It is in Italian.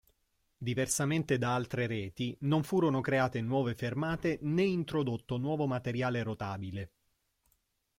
Diversamente da altre reti, non furono create nuove fermate, né introdotto nuovo materiale rotabile.